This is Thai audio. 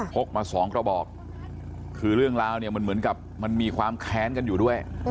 กมาสองกระบอกคือเรื่องราวเนี่ยมันเหมือนกับมันมีความแค้นกันอยู่ด้วย